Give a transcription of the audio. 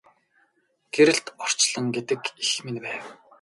Гэрэлт орчлон гэдэг эх минь байв.